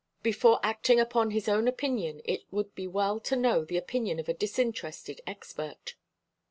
Before acting upon his own opinion it would be well to know the opinion of a disinterested expert.